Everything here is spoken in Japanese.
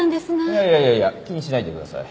いやいやいやいや気にしないでください。